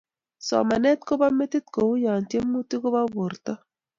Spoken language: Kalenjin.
somanet kobo metit kou ya tyemutik kobo borto